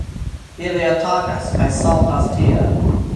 Ili atakas kaj saltas tiel!